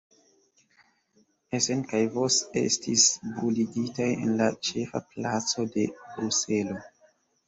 Essen kaj Vos estis bruligitaj en la ĉefa placo de Bruselo.